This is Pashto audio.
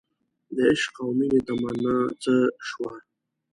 دعشق او مینې تمنا څه شوه